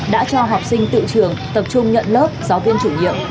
đã cho học sinh tự trường tập trung nhận lớp giáo viên chủ nhiệm